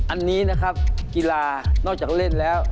อันนี้นะครับกีฬานอกจากเล่นแล้ว